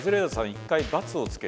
一回×をつけて。